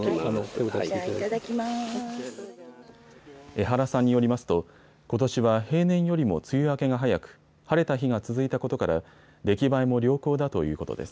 江原さんによりますとことしは平年よりも梅雨明けが早く、晴れた日が続いたことから出来栄えも良好だということです。